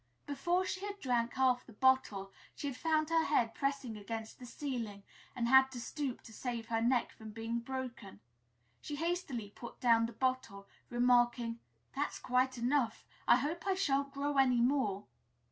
Before she had drunk half the bottle, she found her head pressing against the ceiling, and had to stoop to save her neck from being broken. She hastily put down the bottle, remarking, "That's quite enough I hope I sha'n't grow any more."